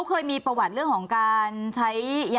คุณเอกวีสนิทกับเจ้าแม็กซ์แค่ไหนคะ